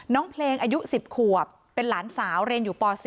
น้องเพลงอายุ๑๐ขวบเป็นหลานสาวเรียนอยู่ป๔